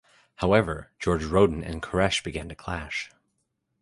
However, George Roden and Koresh began to clash.